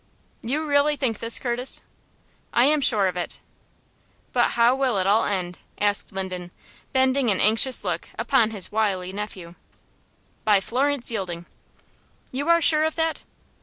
"You really think this, Curtis?" "I am sure of it." "But how will it all end?" asked Linden, bending an anxious look upon his wily nephew. "By Florence yielding." "You are sure of that?"